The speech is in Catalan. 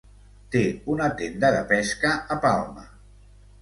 Té una tenda de pesca a Palma.